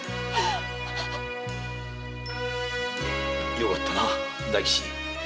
よかったな大吉。